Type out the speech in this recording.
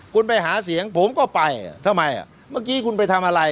คุณไปหาเสียงผมก็ไปทำไมอ่ะเมื่อกี้คุณไปทำอะไร